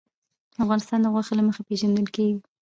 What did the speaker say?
افغانستان د غوښې له مخې پېژندل کېږي.